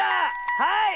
はい！